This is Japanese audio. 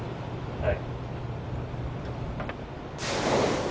「はい」。